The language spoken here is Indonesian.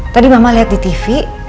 tadi mama lihat di tv